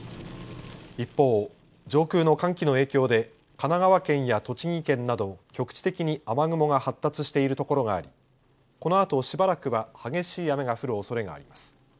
一方、上空の寒気の影響で神奈川県や栃木県など局地的に雨雲が発達しているところがあり、このあとしばらくは激しい雨が降るおそれがあります。